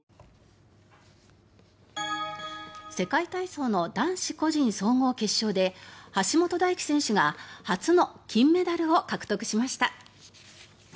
世界体操の男子個人総合決勝で橋本大輝選手が初の金メダルを獲得しました。